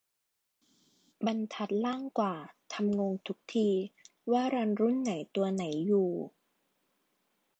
บรรทัดล่างกว่า ทำงงทุกที ว่ารันรุ่นไหนตัวไหนอยู่